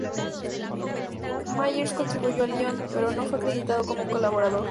Myers contribuyó al guion, pero no fue acreditado como colaborador.